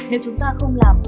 nếu chúng ta không làm